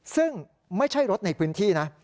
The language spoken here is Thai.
ซึ่งไม่ใช่รถในพื้นที่นะ